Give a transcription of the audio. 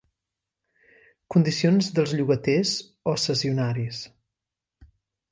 Condicions dels llogaters o cessionaris.